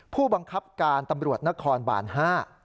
ผู้บังคับการตำรวจนครบาน๕